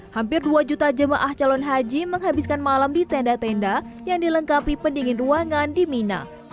hampir dua juta jemaah calon haji menghabiskan malam di tenda tenda yang dilengkapi pendingin ruangan di mina